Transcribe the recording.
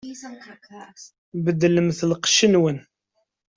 Beddlem lqecc-nwen!